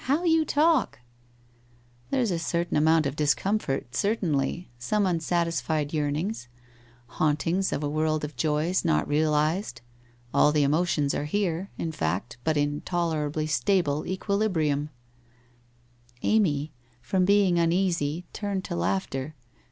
' How you talk !' WHITE ROSE OF WEARY LEAF 135 ' There's a certain amount of discomfort certainly, some unsatisfied yearnings, hauntings of a world of joys not realized, all the emotions are here, in fact, but in tolerably stable equilibrium ' Amy, from being uneasy, turned to laughter.